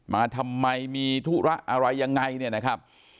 มาทำไมมีธุระอะไรยังไงเนี่ยนะครับ